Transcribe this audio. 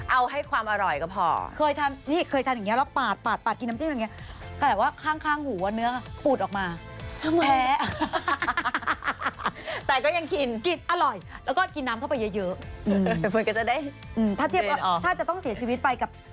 เอาให้ความอร่อยก็พอเคยทานอย่างนี้แล้วปาดกินน้ำจิ้มอย่างนี้